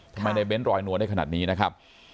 ทำไมในเน้นรอยนวลได้ขนาดนี้นะครับ